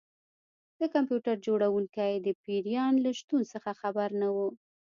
د کمپیوټر جوړونکی د پیریان له شتون څخه خبر نه و